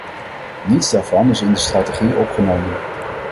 Niets daarvan is in de strategie opgenomen.